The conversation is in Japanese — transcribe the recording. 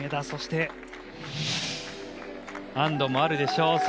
そして、安どもあるでしょう。